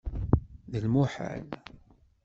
D lmuḥal.